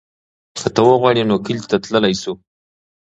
که ته وغواړې نو کلي ته تللی شو.